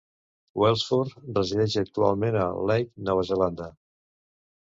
Welsford resideix actualment a Leigh, Nova Zelanda.